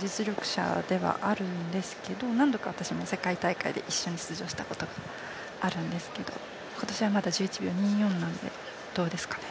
実力者ではあるんですけれども、私も何度か世界大会で一緒に出場したことがあるんですが今年はまだ１１秒２４なんでどうですかね？